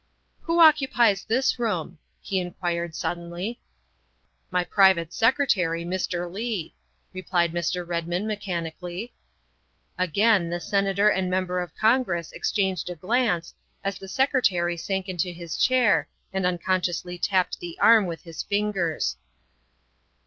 ' Who occupies this room ?" he inquired suddenly. " My private secretary, Mr. Leigh," replied Mr. Red mond mechanically. Again the Senator and Member of Congress exchanged a glance as the Secretary sank into his chair and uncon sciously tapped the arm with his fingers.